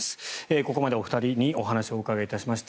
ここまでお二人にお話をお伺いいたしました。